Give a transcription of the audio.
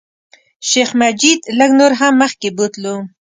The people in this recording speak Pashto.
شیخ مجید لږ نور هم مخکې بوتلو.